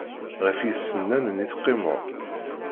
Ɣef yisennanen i teqqimem?